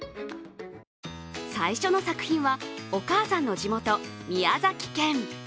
最初の作品はお母さんの地元・宮崎県。